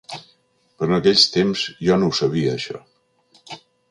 Però en aquells temps jo no ho sabia, això.